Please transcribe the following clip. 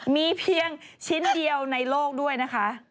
มีเพียงชิ้นเดียวในโลกด้วยนะคะ